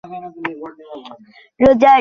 মশালের আলোকে সন্ন্যাসী তাহার তল দেখিতে পাইলেন না।